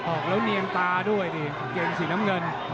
ออกแล้วเนียงตาด้วยสิเกณฑ์สีน้ำเงิน